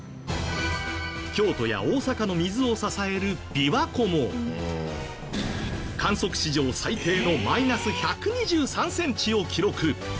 京都や大阪の水を支える琵琶湖も観測史上最低のマイナス１２３センチを記録。